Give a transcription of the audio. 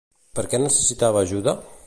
Per què necessitava ajuda?